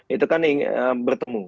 itu kan bertemu